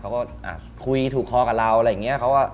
เขาก็คุยถูกคอกับเราอะไรอย่างเงี่ยเขาว่า